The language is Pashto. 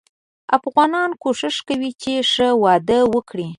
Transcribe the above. افغانان کوښښ کوي چې ښه واده وګړي.